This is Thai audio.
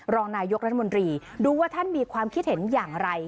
รองนายกรัฐมนตรีดูว่าท่านมีความคิดเห็นอย่างไร